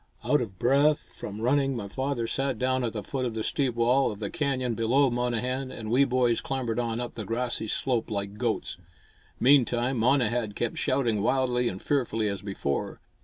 Out of breath from running, my father sat down at the foot of the steep wall of the canyon below Monnehan and we boys clambered on up the grassy slope like goats. Meantime, Monnehan kept shouting wildly and fearfully as before.